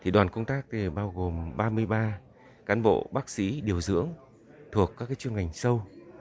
đoàn công tác bao gồm ba mươi ba cán bộ bác sĩ điều dưỡng thuộc các chuyên ngành sâu